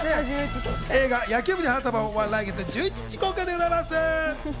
映画『野球部に花束を』は来月１１日公開でございます。